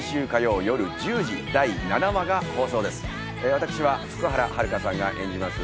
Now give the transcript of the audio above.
私は福原遥さんが演じます